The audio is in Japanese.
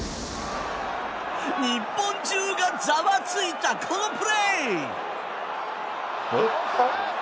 日本中がざわついたこのプレー。